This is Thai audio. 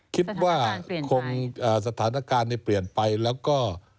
คิดว่าคงสถานการณ์เปลี่ยนไปแล้วก็